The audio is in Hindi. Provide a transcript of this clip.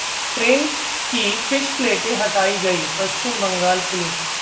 ट्रेन की फिश प्लेटें हटायी गयीं: पश्चिम बंगाल पुलिस